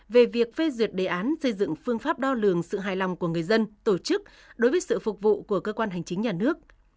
về việc phê duyệt đề án xây dựng phương pháp đo lường sự hài lòng của người dân tổ chức đối với sự phục vụ của cơ quan hành chính nhà nước